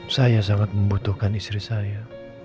saya sangat membutuhkan istri saya